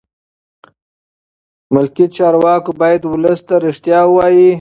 ملکي چارواکي باید ولس ته رښتیا ووایي.